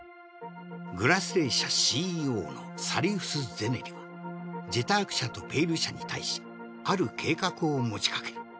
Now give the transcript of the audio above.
「グラスレー社」ＣＥＯのサリウス・ゼネリは「ジェターク社」と「ペイル社」に対しある計画を持ちかける